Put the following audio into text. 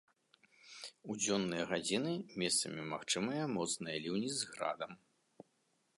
У дзённыя гадзіны месцамі магчымыя моцныя ліўні з градам.